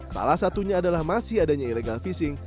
salah satunya adalah masih adanya illegal fishing